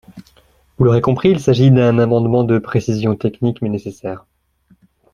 Vous l’aurez compris : il s’agit d’un amendement de précision technique, mais nécessaire.